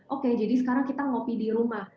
oke jadi sekarang kita ngopi di rumah